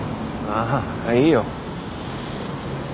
あいいよ。